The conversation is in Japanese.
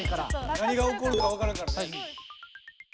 何が起こるか分からんからね。